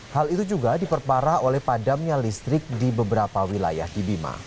hal itu juga diperparah oleh padamnya listrik di beberapa wilayah di bima